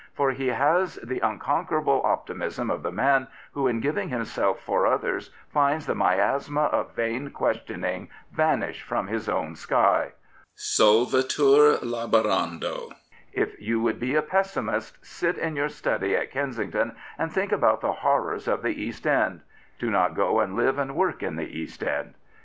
For he has the unconquerable optimism of the man who in giving himself for others finds the mj^ma of vain questioning vanish from his own sky. Solvitur labor undo. If you would be a pessimist, sit in your study at Kensington and think about the horrors of the East End. Do not go and live and work in the East End.